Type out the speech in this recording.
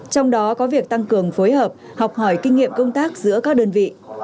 trong đó có việc tăng cường phối hợp học hỏi kinh nghiệm công tác giữa các đơn vị